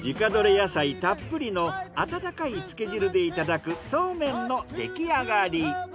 野菜たっぷりの温かいつけ汁でいただくそうめんの出来上がり。